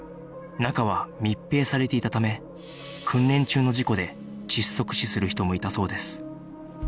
中は密閉されていたため訓練中の事故で窒息死する人もいたそうです